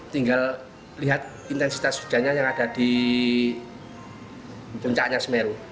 tinggal lihat intensitas hujannya yang ada di puncaknya semeru